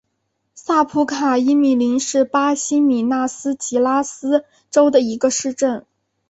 萨普卡伊米林是巴西米纳斯吉拉斯州的一个市镇。